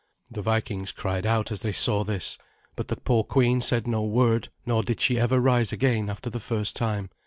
The Vikings cried out as they saw this, but the poor queen said no word, nor did she ever rise again after the first time.